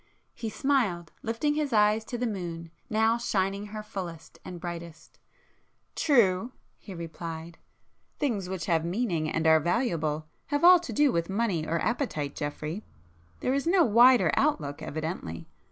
He smiled, lifting his eyes to the moon, now shining her fullest and brightest. "True!" he replied—"Things which have meaning and are valuable, have all to do with money or appetite, Geoffrey! There is no wider outlook evidently!